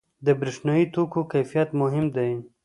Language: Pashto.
• د برېښنايي توکو کیفیت مهم دی.